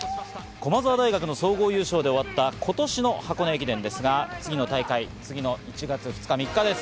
駒澤大学の総合優勝で終わった今年の箱根駅伝ですが、次の大会、次の１月２日、３日です。